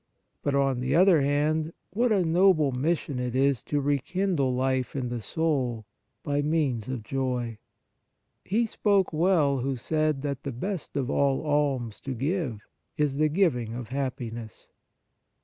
But, on the other hand, what a noble mission it is to rekindle life in the soul by means of joy ! He spoke well who said that the best of all alms to give is the giving of happiness.